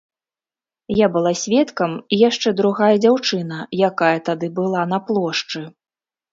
Я была сведкам, і яшчэ другая дзяўчына, якая тады была на плошчы.